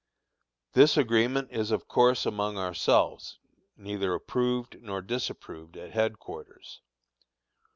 This agreement is of course among ourselves, neither approved nor disapproved at headquarters.